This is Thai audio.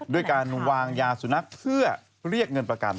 ด้วยการวางยาสุนัขเพื่อเรียกเงินประกัน